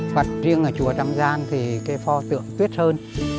phật riêng ở chùa trăm gian thì cái pho tượng tuyết sơn